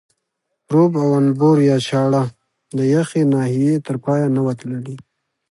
پروب او انبور یا چاړه د یخې ناحیې تر پایه نه وه تللې.